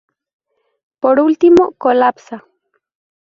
Por último, colapsa.